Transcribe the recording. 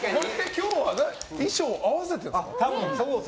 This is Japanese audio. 今日は衣装合わせたんですか？